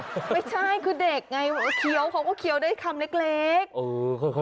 ไม่ใช่คุณเด็กไงเขาก็เขียวได้คำเล็ก